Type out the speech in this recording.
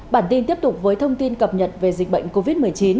bản tin tiếp tục với thông tin cập nhật về dịch bệnh covid một mươi chín